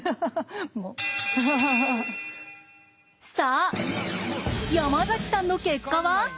さあ山崎さんの結果は？